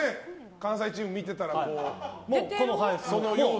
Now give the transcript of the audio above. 関西チーム見ていたら、その要素。